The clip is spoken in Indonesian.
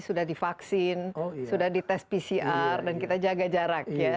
sudah divaksin sudah dites pcr dan kita jaga jarak ya